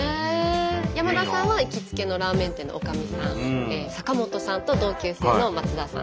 山田さんは行きつけのラーメン店の女将さん坂本さんと同級生の松田さん。